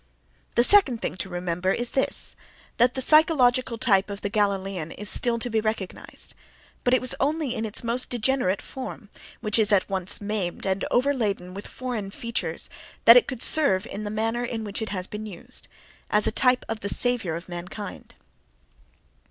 —The second thing to remember is this: that the psychological type of the Galilean is still to be recognized, but it was only in its most degenerate form (which is at once maimed and overladen with foreign features) that it could serve in the manner in which it has been used: as a type of the Saviour of mankind.